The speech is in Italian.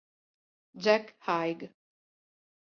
Jack Haig